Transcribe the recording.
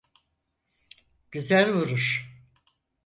Güzel vuruş.